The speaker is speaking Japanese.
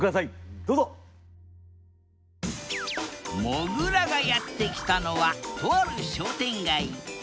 もぐらがやって来たのはとある商店街。